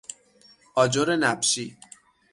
آجر نبشی